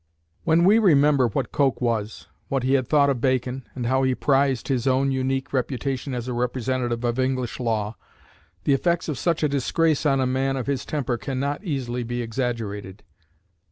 When we remember what Coke was, what he had thought of Bacon, and how he prized his own unique reputation as a representative of English law, the effects of such a disgrace on a man of his temper cannot easily be exaggerated.